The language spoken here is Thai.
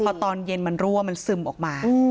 พอตอนเย็นมันรั่วมันซึมออกมา